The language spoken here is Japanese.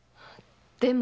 でも。